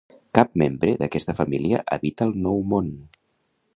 Cap membre d'aquesta família habita el Nou Món.